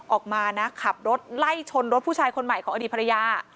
ออกมานะขับรถไล่ชนรถผู้ชายคนใหม่ของอดีตภรรยา